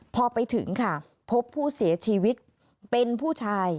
พอไปถึงค่ะพบผู้เสียชีวิตเป็นผู้ชาย